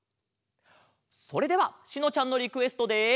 それではしのちゃんのリクエストで。